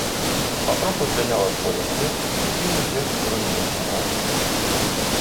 Патроху зганяла з поля снег, і дзе-нідзе рунелася мураўка.